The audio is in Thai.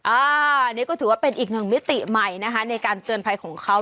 อันนี้ก็ถือว่าเป็นอีกหนึ่งมิติใหม่นะคะในการเตือนภัยของเขา